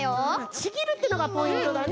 ちぎるっていうのがポイントだね！